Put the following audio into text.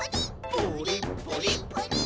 「プリップリッ」プリッ！